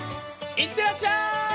いってらっしゃい！